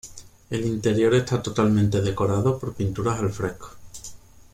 El interior esta totalmente decorado por pinturas al fresco.